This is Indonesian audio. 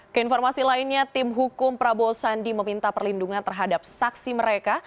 keinformasi lainnya tim hukum prabowo sandi meminta perlindungan terhadap saksi mereka